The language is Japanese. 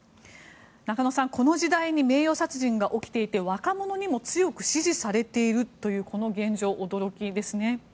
中野さん、この時代に名誉殺人が起きていて若者にも強く支持されているというこの現状驚きですね。